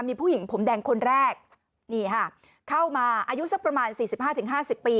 มีผู้หญิงผมแดงคนแรกนี่ค่ะเข้ามาอายุสักประมาณ๔๕๕๐ปี